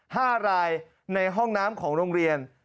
ห้ารายในห้องน้ำของโรงเรียน